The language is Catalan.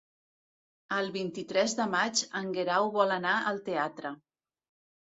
El vint-i-tres de maig en Guerau vol anar al teatre.